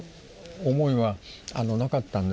思いはなかったんです。